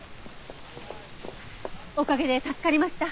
おかげで助かりました。